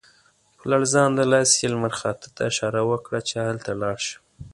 په لړزانده لاس یې لمر خاته ته اشاره وکړه چې هلته لاړ شم.